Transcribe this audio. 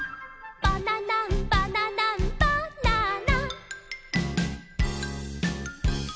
「バナナンバナナンバナナ」